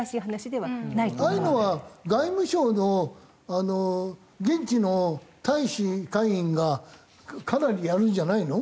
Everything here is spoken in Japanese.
ああいうのは外務省の現地の大使館員がかなりやるんじゃないの？